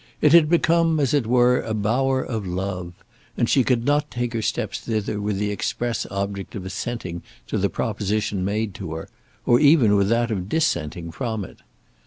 It had become as it were a bower of love, and she could not take her steps thither with the express object of assenting to the proposition made to her, or even with that of dissenting from it.